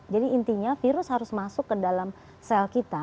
intinya virus harus masuk ke dalam sel kita